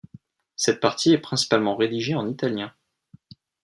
Cette partie est principalement rédigée en italien.